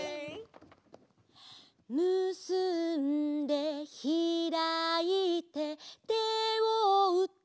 「むすんでひらいて手をうって」